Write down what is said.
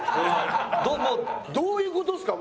どういう事っすか？